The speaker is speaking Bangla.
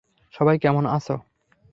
সবাই কেমন আছো?